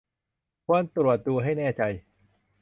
ควรตรวจดูให้แน่ใจ